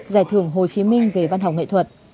giải thưởng hồ chí minh về văn học nghệ thuật